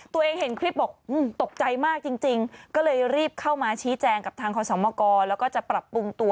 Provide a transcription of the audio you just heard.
คือก็พักงานไปวันขอลอปวดอึ๊กค่ะมันไหวอะเหน็จจัยนะ